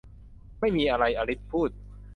ไม่มีอะไร อลิซพูด